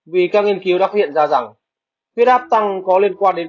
vì các nghiên cứu đã hiện ra rằng huyết áp tăng có liên quan đến